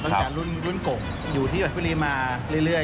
ตั้งแต่รุ่นกงอยู่ที่หอยฟุรีมาเรื่อย